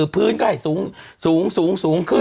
พื้นก็ให้สูงสูงสูงสูงขึ้น